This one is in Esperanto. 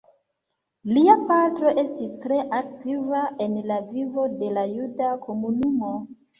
Lia patro estis tre aktiva en la vivo de la juda komunumo.